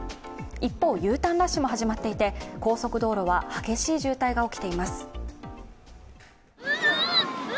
一方、Ｕターンラッシュも始まっていて、高速道路は激しい渋滞が起きています。